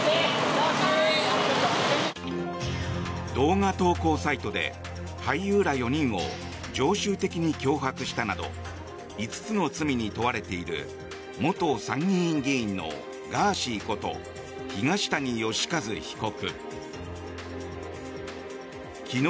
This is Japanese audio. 動画投稿サイトで俳優ら４人を常習的に脅迫したなど５つの罪に問われている元参議院議員のガーシーこと東谷義和被告。